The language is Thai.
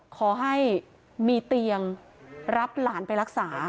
ขอให้มีเตียงรับหลานไปรักษา